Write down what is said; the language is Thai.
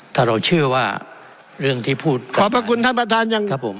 ถ้าเราเชื่อว่าเรื่องที่พูดขอบพระคุณท่านประธานยังครับผม